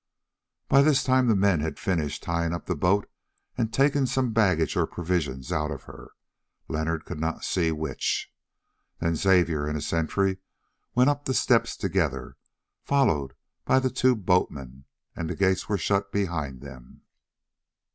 By this time the men had finished tying up the boat and taking some baggage or provisions out of her, Leonard could not see which. Then Xavier and the sentry went up the steps together, followed by the two boatmen, and the gates were shut behind them.